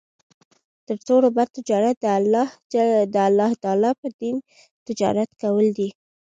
تر ټولو بَد تجارت د الله تعالی په دين تجارت کول دی